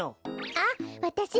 あっわたし